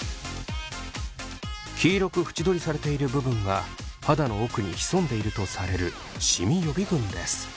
黄色く縁取りされている部分が肌の奥に潜んでいるとされるシミ予備軍です。